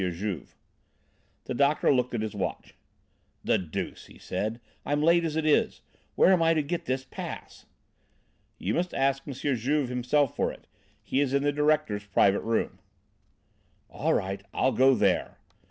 Juve." The doctor looked at his watch. "The deuce," he said. "I'm late as it is. Where am I to get this pass?" "You must ask M. Juve himself for it. He is in the director's private room." "All right, I'll go there."